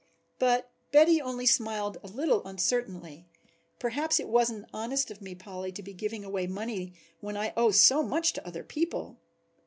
But Betty only smiled a little uncertainly. "Perhaps it wasn't honest of me, Polly, to be giving away money when I owe so much to other people."